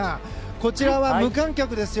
こちらは無観客ですよ。